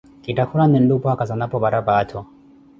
kitthakulane nlupwaaka zanapo parapaattho.